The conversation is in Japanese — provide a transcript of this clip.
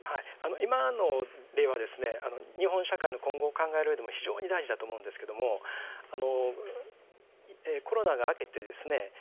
今の例はですね日本社会の今後を考えるうえでも非常に大事だと思うんですけどもあのコロナが明けてですね